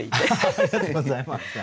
ありがとうございます。